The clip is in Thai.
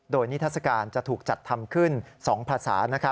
โดยนิทัศกาลจะถูกจัดทำขึ้น๒ภาษา